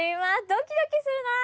ドキドキするなあ。